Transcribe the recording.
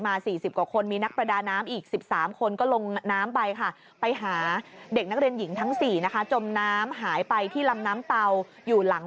๔๐กว่าคนมีนักประดาน้ำอีก๑๓คนก็ลงน้ำไปค่ะไปหาเด็กนักเรียนหญิงทั้ง๔นะคะจมน้ำหายไปที่ลำน้ำเตาอยู่หลัง